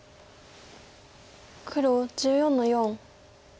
黒１４の四。